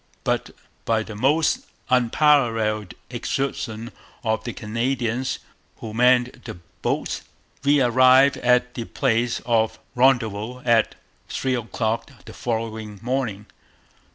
But 'by the almost unparalleled exertions of the Canadians who manned the boats, we arrived at the place of Rendezvous at 3 o'clock the following morning.'